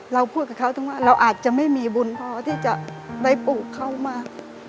เราพูดกับเขาถึงว่าเราอาจจะไม่มีบุญพอที่จะได้ปลูกเขามา